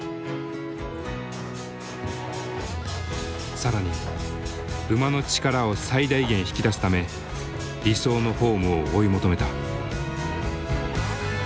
更に馬の力を最大限引き出すため理想のフォームを追い求めた。